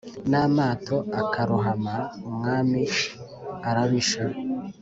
namato akarohama umwami arabisha